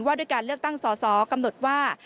ด้วยการเลือกตั้งสอสอกำหนดว่า